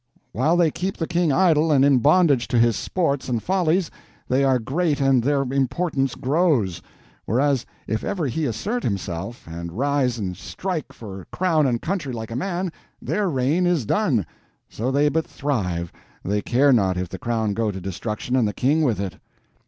While they keep the King idle and in bondage to his sports and follies, they are great and their importance grows; whereas if ever he assert himself and rise and strike for crown and country like a man, their reign is done. So they but thrive, they care not if the crown go to destruction and the King with it."